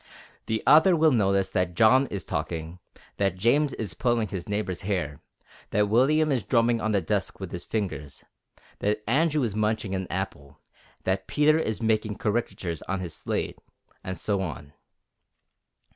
The other will notice that John is talking, that James is pulling his neighbor's hair, that William is drumming on the desk with his fingers, that Andrew is munching an apple, that Peter is making caricatures on his slate, and so on.